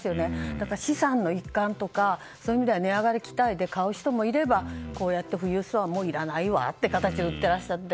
だから、資産の一環とか値上がり期待で買う人もいればこうやって富裕層はもういらないわという形で売っていらっしゃって。